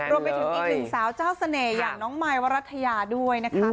รวมไปถึงอีกหนึ่งสาวเจ้าเสน่ห์อย่างน้องมายวรัฐยาด้วยนะคะ